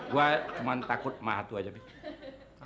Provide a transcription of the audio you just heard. gua cuma takut sama hatu aja vin